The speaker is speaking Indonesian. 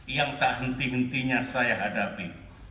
yang tak henti hentinya saya hadapi